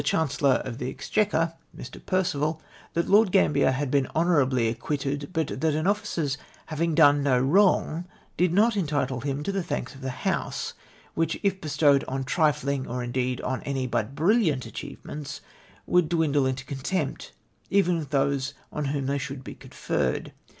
Chancollor of tlie Exclieqiier (Mr. Perceval), tlmt Lord Gaiiibier had been lioiiourably acquitted, but that an officer's liaving done no wrong did not entitle hi/ii to the tliardcs of the House; which, if bestowed on trilling, oi', indeed, on any but brilliant achieve ments, would dwindle into contempt, even with those on whom they should be conferred.